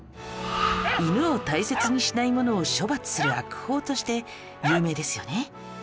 犬を大切にしない者を処罰する悪法として有名ですよね